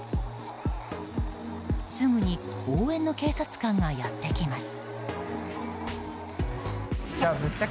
すぐに応援の警察官がやってきます。